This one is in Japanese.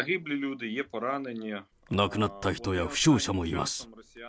亡くなった人や負傷者もいます。